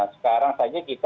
sekarang saja kita